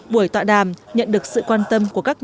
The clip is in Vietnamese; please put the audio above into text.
buổi tọa đàm nhận được sự quan tâm của các tướng